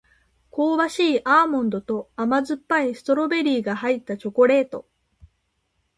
香ばしいアーモンドと甘酸っぱいストロベリーが入ったチョコレート